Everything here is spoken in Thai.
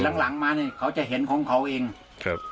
หลังหลังมาเนี้ยเขาจะเห็นของเขาเองครับ